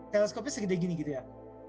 teleskopnya segede gini gitu ya